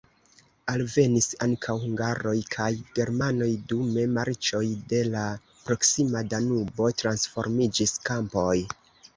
Alvenis ankaŭ hungaroj kaj germanoj, dume marĉoj de la proksima Danubo transformiĝis kampoj.